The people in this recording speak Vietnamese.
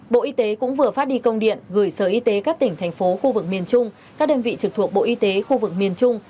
bộ y tế cũng vừa phát đi công điện gửi sở y tế các tỉnh thành phố khu vực miền trung các đơn vị trực thuộc bộ y tế khu vực miền trung